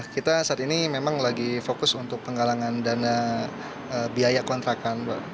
kita saat ini memang lagi fokus untuk penggalangan dana biaya kontrakan